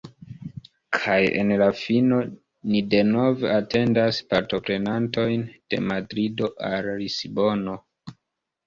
Kaj en la fino ni denove atendas partoprenantojn de Madrido al Lisbono.